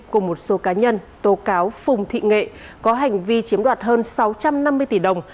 cùng một số cá nhân tố cáo phùng thị nghệ có hành vi chiếm đoạt hơn sáu trăm năm mươi tỷ đồng